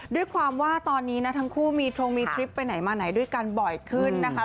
ด้วยความว่าตอนนี้นะทั้งคู่มีทงมีทริปไปไหนมาไหนด้วยกันบ่อยขึ้นนะคะ